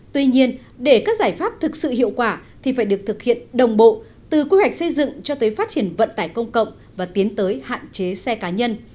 tuy nhiên để các giải pháp thực sự hiệu quả thì phải được thực hiện đồng bộ từ quy hoạch xây dựng cho tới phát triển vận tải công cộng và tiến tới hạn chế xe cá nhân